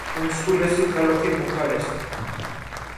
უმსხვილესი ქალაქი ბუქარესტი.